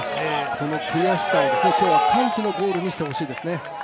この悔しさを今日は歓喜のゴールにしてほしいですね